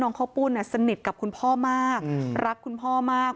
ข้าวปุ้นสนิทกับคุณพ่อมากรักคุณพ่อมาก